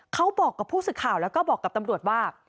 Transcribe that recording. เขาบอกกับผู้สื่อข่าวแล้วก็บอกกับตำรวจว่า